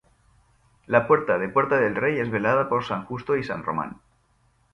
La puerta de Puerta del Rey es velada por San Justo y San Román.